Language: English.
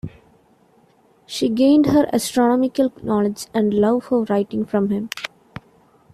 She gained her astronomical knowledge and love for writing from him.